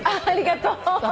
ありがとう。